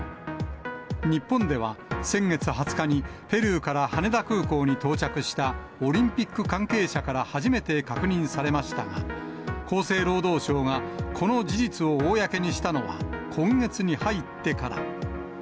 日本では先月２０日にペルーから羽田空港に到着した、オリンピック関係者から初めて確認されましたが、厚生労働省がこの事実を公にしたのは、今月に入ってから。